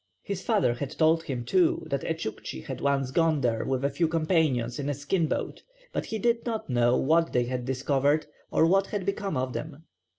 His father had told him, too, that a Tchouktchi had once gone there with a few companions in a skin boat, but he did not know what they had discovered or what had become of them.